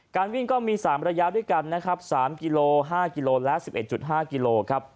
วิ่งก็มี๓ระยะด้วยกันนะครับ๓กิโล๕กิโลและ๑๑๕กิโลครับ